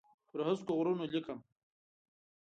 پر هسکو غرونو لیکم